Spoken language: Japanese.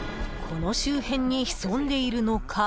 この周辺に潜んでいるのか？